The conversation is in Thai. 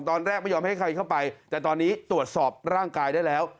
ไม่ยอมให้ใครเข้าไปแต่ตอนนี้ตรวจสอบร่างกายได้แล้ว